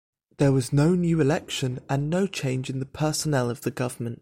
There was no new election and no change in the personnel of the Government.